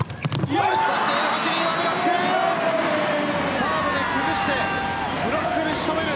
サーブで崩してブロックで仕留める。